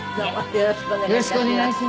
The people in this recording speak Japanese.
よろしくお願いします。